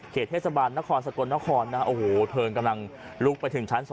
เทศบาลนครสกลนครนะโอ้โหเพลิงกำลังลุกไปถึงชั้น๒